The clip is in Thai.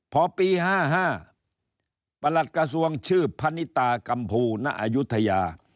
พอปี๕๕ประหลัดกระทรวงชื่อพนิตากัมพูณอายุทยา